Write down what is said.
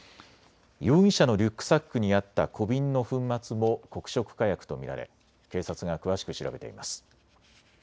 容疑者のリュックサックにあった小瓶の粉末も黒色火薬と見られ警察が詳しく調べています。